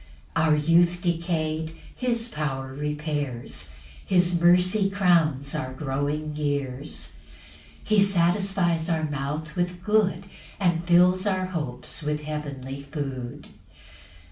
5 Our youth decay'd his power repairs; His mercy crowns our growing years; He satisfies our mouth with good, And fills our hopes with heavenly food.